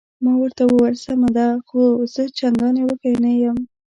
ما ورته وویل: سمه ده، خو زه چندانې وږی نه یم.